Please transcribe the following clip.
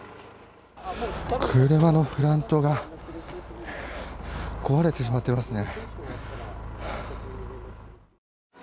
車のフロントが壊れてしまっていますね。